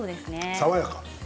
爽やか。